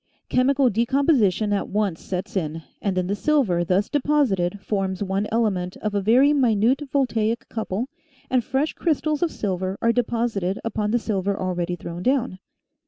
Chemical decom position at once sets in and then the silver thus deposited forms one element of a very minute voltaic couple and PALINGENESY 109 fresh crystals of silver are deposited upon the silver already thrown down.